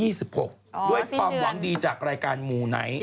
ด้วยความหวังดีจากรายการหมู่ไหน